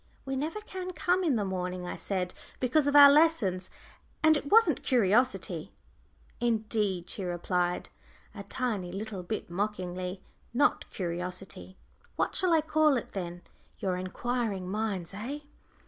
"We never can come in the morning," I said, "because of our lessons. And it wasn't curiosity." "Indeed!" she replied, a tiny little bit mockingly; "not curiosity. What shall I call it, then, your inquiring minds, eh?"